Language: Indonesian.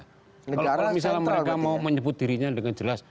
kalau misalnya mereka mau menyebut dirinya dengan jelas